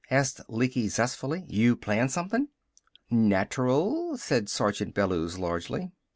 asked Lecky zestfully. "You plan something?" "Natural!" said Sergeant Bellews largely.